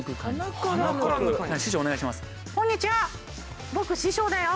師匠お願いします。